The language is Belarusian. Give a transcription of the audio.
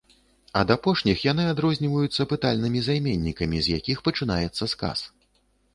Ад апошніх яны адрозніваюцца пытальнымі займеннікамі, з якіх пачынаецца сказ.